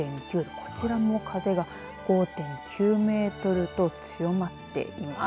こちらも風が５．９メートルと強まっています。